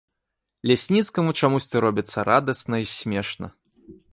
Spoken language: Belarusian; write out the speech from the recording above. Лясніцкаму чамусьці робіцца радасна і смешна.